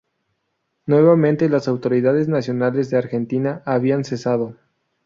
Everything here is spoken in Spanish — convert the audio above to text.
Nuevamente las autoridades nacionales de Argentina habían cesado.